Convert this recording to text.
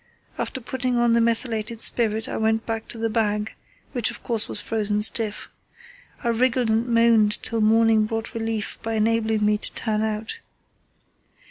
After putting on the methylated spirit I went back to the bag, which, of course, was frozen stiff. I wriggled and moaned till morning brought relief by enabling me to turn out.